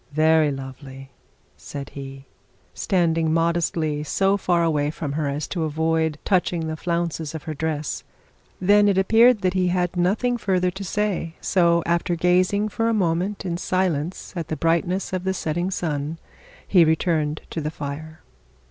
'Very lovely,' said he, standing modestly so far away from her s to avoid touching the flounces of her dress. Then it appeared that he had nothing further to say; so after gazing for a moment in silence at the brightness of the setting sun, he returned to the fire.